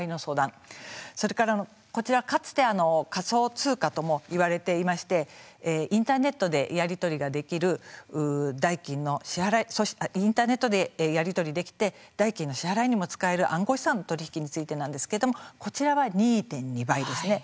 それから、こちら、かつて仮想通貨ともいわれていましてインターネットでやり取りできて代金の支払いにも使える暗号資産の取り引きについてなんですけれどもこちらは２．２倍ですね。